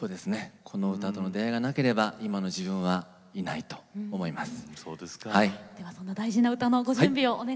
この歌との出会いがなければ今の自分はいないと思います。